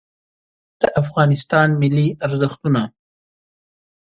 د افغانستان ملي ارزښتونه